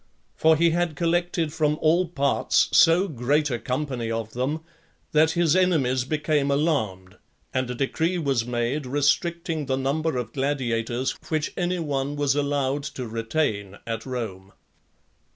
For he had collected from all parts so great a company of them, that his enemies became alarmed; and a decree was made, restricting the number of gladiators which any one was allowed to retain at Rome.